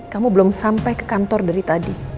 kamu belum sampai ke kantor dari tadi